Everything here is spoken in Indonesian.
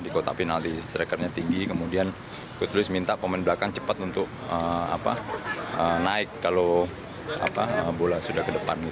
di kota penalti strikernya tinggi kemudian good looce minta pemain belakang cepat untuk naik kalau bola sudah ke depan